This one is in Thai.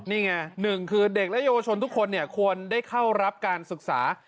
นี่ไง๑คือเด็กและโยวชนทุกคนเนี่ยควรได้เข้ารับการศึกษา